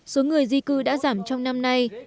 số người di cư đã giảm trong năm nay